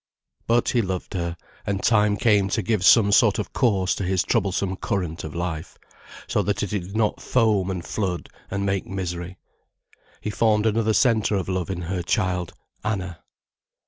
But he loved her, and time came to give some sort of course to his troublesome current of life, so that it did not foam and flood and make misery. He formed another centre of love in her child, Anna.